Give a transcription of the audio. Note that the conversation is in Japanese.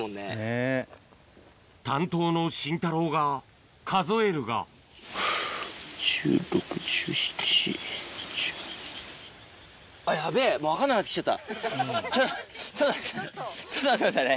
担当のシンタローが数えるがちょっと待ってください